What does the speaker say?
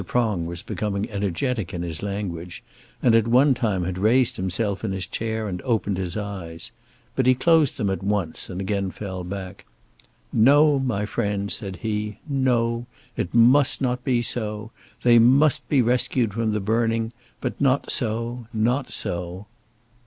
Prong was becoming energetic in his language, and at one time had raised himself in his chair, and opened his eyes. But he closed them at once, and again fell back. "No, my friend," said he, "no. It must not be so. They must be rescued from the burning; but not so, not so."